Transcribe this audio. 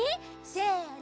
せの！